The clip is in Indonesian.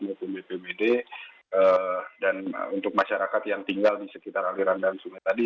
maupun bpbd dan untuk masyarakat yang tinggal di sekitar aliran dan sungai tadi